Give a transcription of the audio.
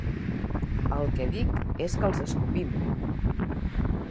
El que dic és que els escopim!